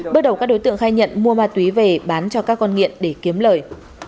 bước đầu các đối tượng khai nhận mua ma túy về bán cho các con nghiện để kiếm lời